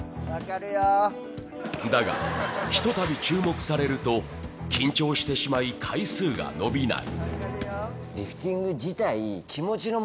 だが、ひとたび注目されると、緊張してしまい、回数が伸びない。